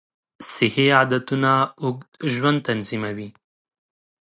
صحي عادتونه اوږد ژوند تضمینوي.